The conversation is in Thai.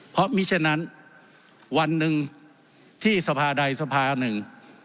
เพราะมีฉะนั้นวันหนึ่งที่สภาใดสภาหนึ่ง